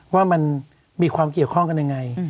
ว่ามันมีความเกี่ยวข้องกันยังไง